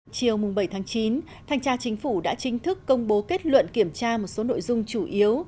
chiều bảy chín thanh tra chính phủ đã chính thức công bố kết luận kiểm tra một số nội dung chủ yếu